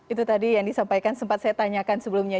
itu tadi yang disampaikan sempat saya tanyakan sebelumnya